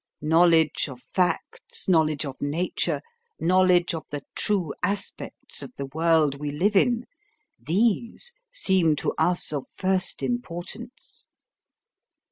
Knowledge of facts, knowledge of nature, knowledge of the true aspects of the world we live in, these seem to us of first importance.